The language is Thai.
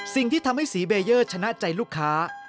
สิ่งที่ทำให้สีเบเยอร์ชนะใจลูกค้า